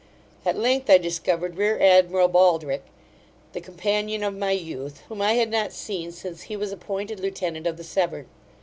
At length I discovered rear admiral Balderick, the companion of my youth, whom I had not seen since he was appointed lieutenant of the Severn.